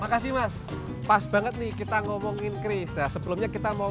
bree a rawat mana tahu banyak sobrang ya kita masih nyaman ngomongin kris ya sebelumnya kita mau nyapa dulu